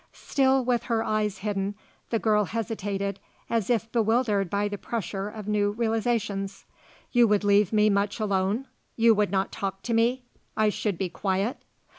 Still with her eyes hidden the girl hesitated as if bewildered by the pressure of new realisations. "You would leave me much alone? You would not talk to me? I should be quiet?"